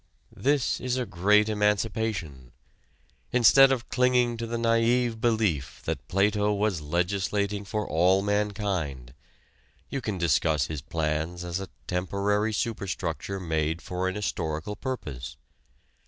This is a great emancipation. Instead of clinging to the naïve belief that Plato was legislating for all mankind, you can discuss his plans as a temporary superstructure made for an historical purpose.